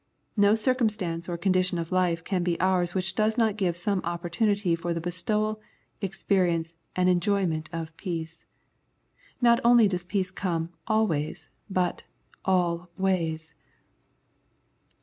No circumstance or condition of life can be ours which does not give some opportunity for the bestowal, experience, and enjoyment of peace. Not only does peace come " always," but " all ways."